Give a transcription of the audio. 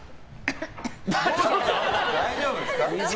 大丈夫ですか？